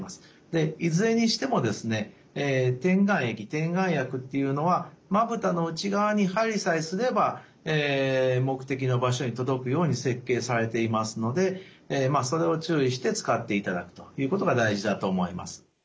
でいずれにしてもですね点眼液点眼薬っていうのはまぶたの内側に入りさえすれば目的の場所に届くように設計されていますのでまあそれを注意して使っていただくということが大事だと思います。